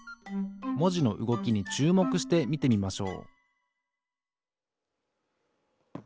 もじのうごきにちゅうもくしてみてみましょう